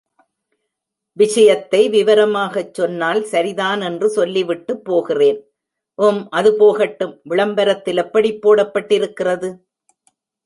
விஷயத்தை விவரமாகச் சொன்னால் சரிதான் என்று சொல்லிவிட்டுப்போகிறேன்...... உம் அது போகட்டும் விளம்பரத்தில் எப்படிப் போட்டிருக்கிறது?